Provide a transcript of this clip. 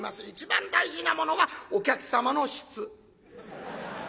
一番大事なものはお客様の質。